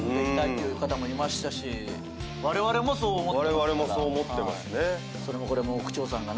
我々もそう思ってますね。